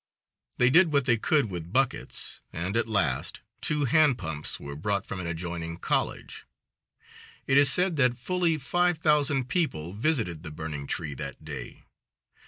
They did what they could with buckets, and at last two hand pumps were brought from an adjoining college. It is said that fully five thousand people visited the burning tree that day.